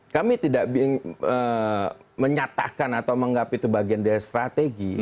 kami tidak menyatakan atau menganggap itu bagian dari strategi